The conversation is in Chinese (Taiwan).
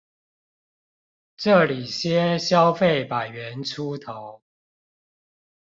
這裡些消費百元出頭